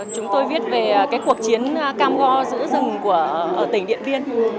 chúng tôi viết về cuộc chiến cam go giữa rừng của tỉnh điện biên